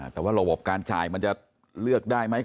แต่ว่าระบบการจ่ายมันจะเลือกได้ไหม